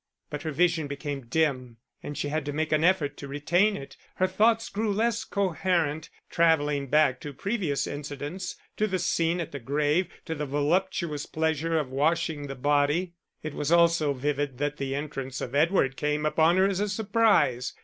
But her vision became dim, and she had to make an effort to retain it: her thoughts grew less coherent, travelling back to previous incidents, to the scene at the grave, to the voluptuous pleasure of washing the body. It was all so vivid that the entrance of Edward came upon her as a surprise.